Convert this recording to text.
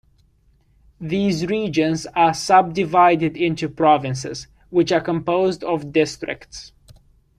These regions are subdivided into provinces, which are composed of districts.